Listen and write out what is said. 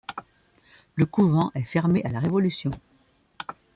Le couvent est fermé à la Révolution.